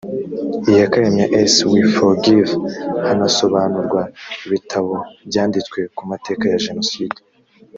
iyakaremye as we forgive hanasobanurwa ibitabo byanditswe ku mateka ya jenoside